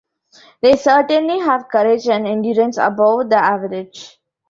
They certainly have courage and endurance above the average.